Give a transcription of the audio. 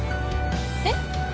えっ？